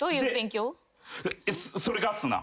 それがっすな。